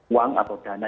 uang atau dana